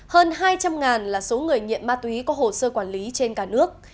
hơn hai trăm linh là số người nghiện ma túy có hồ sơ quản lý trên cả nước